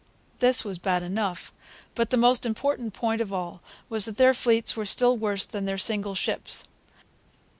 This was bad enough. But the most important point of all was that their fleets were still worse than their single ships.